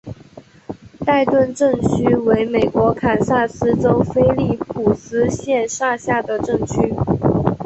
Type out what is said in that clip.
代顿镇区为美国堪萨斯州菲利普斯县辖下的镇区。